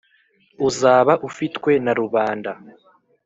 Uzaba ufitwe na rubanda